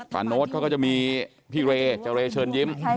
โน้ตเขาก็จะมีพี่เรเจรเชิญยิ้ม